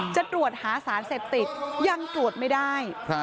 จะตรวจหาสารเสพติดยังตรวจไม่ได้